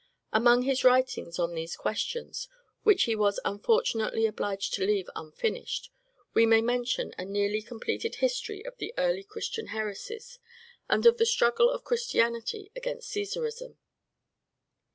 Among his writings on these questions, which he was unfortunately obliged to leave unfinished, we may mention a nearly completed history of the early Christian heresies, and of the struggle of Christianity against Caesarism.